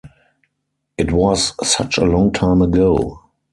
It was such a long time ago.